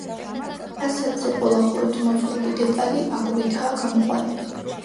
ფასადზე, ყველა ხუროთმოძღვრული დეტალი აგურითაა გამოყვანილი.